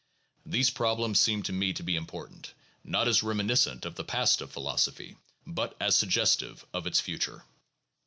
These problems seem to me to be important, not as reminiscent of the past of philosophy, but as suggestive of its future.